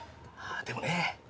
でもね